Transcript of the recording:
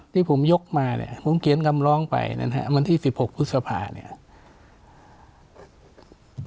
ที่ผมยกมาเนี่ยผมเขียนคำร้องไปนะฮะวันที่๑๖พฤษภาเนี่ย